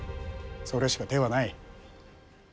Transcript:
それしか手はない。